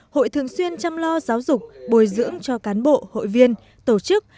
hội thường xuyên chăm lo giáo dục bồi dưỡng cho cán bộ hội viên tổ chức